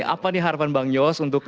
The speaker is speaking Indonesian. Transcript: apa nih harapan bang yos untuk